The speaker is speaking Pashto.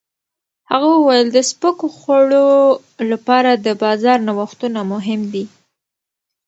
هغه وویل د سپکو خوړو لپاره د بازار نوښتونه مهم دي.